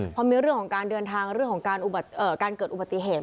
พอมีเรื่องของการเดินทางเรื่องของการเกิดอุบัติเหตุ